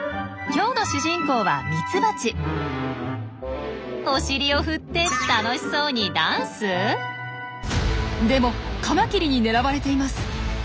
今日の主人公はお尻を振って楽しそうにでもカマキリに狙われています。